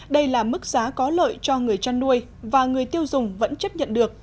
đây là mức giá có lợi cho người chăn nuôi và người tiêu dùng vẫn chấp nhận được